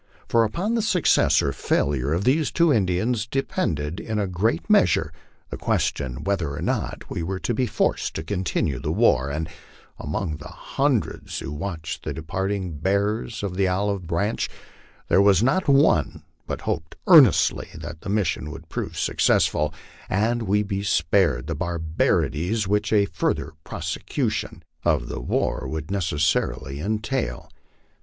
For upon the success or failure of these two Indians depended in a great measure the question whether or not we were to be forced to continue the war ; and among the hundreds who watched the departing bearers of the olive branch, there was not one but hoped earnestly that the mission would prove success ful, and we be spared the barbarities which a further prosecution of the war would necessarily entail.